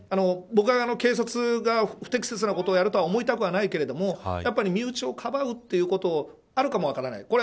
僕は警察が不適切なことをやるとは思いたくはないけれどもやっぱり、身内をかばうということがあるかも分からない。